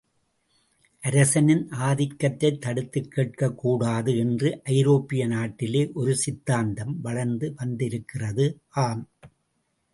அரசனின் ஆதிக்கத்தைத் தடுத்துக் கேட்கக் கூடாது என்று ஐரோப்பிய நாட்டிலே ஒரு சித்தாந்தம் வளர்ந்து வந்திருக்கிறது ஆம்.